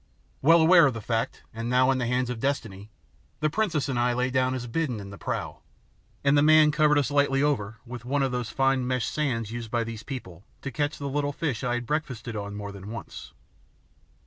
Well aware of the fact and now in the hands of destiny, the princess and I lay down as bidden in the prow, and the man covered us lightly over with one of those fine meshed seines used by these people to catch the little fish I had breakfasted on more than once.